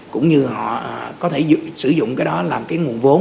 cũng như họ có thể sử dụng cái đó làm cái nguồn vốn